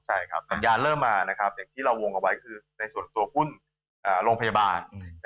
ใช่ครับสัญญาณเริ่มมานะครับอย่างที่เราวงเอาไว้คือในส่วนตัวหุ้นโรงพยาบาล